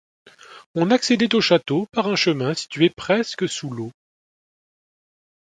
On accédait au château par un chemin situé presque sous l'eau.